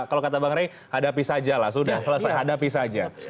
kalau kata bang ray hadapi saja lah sudah selesai hadapi saja